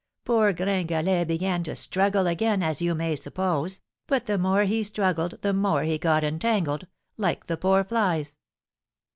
Poor Gringalet began to struggle again, as you may suppose, but the more he struggled the more he got entangled, like the poor flies.